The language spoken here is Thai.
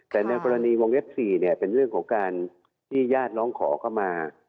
แต่ในกรณีวงเว็บ๔เนี่ยเป็นเรื่องของการที่ญาติน้องขอเข้ามา